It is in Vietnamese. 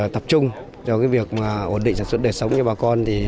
tập trung cho việc ổn định sản xuất đời sống cho bà con